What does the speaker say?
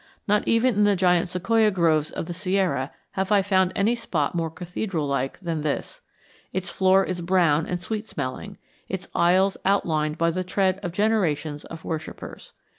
Not even in the giant sequoia groves of the Sierra have I found any spot more cathedral like than this. Its floor is brown and sweet smelling, its aisles outlined by the tread of generations of worshippers.